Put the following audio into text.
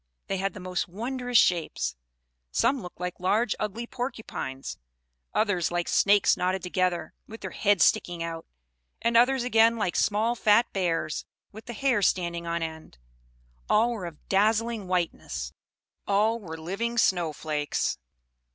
They had the most wondrous shapes; some looked like large ugly porcupines; others like snakes knotted together, with their heads sticking out; and others, again, like small fat bears, with the hair standing on end: all were of dazzling whiteness all were living snow flakes.